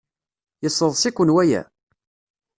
Yesseḍs-iken waya?